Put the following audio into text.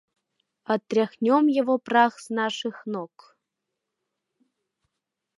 Отряхнём его прах с наших ног!..